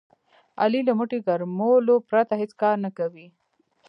علي له موټي ګرمولو پرته هېڅ کار نه کوي.